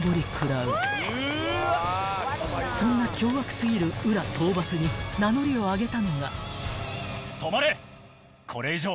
［そんな凶悪過ぎる温羅討伐に名乗りを上げたのが］